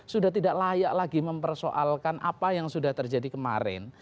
sudah tidak layak lagi mempersoalkan apa yang sudah terjadi kemarin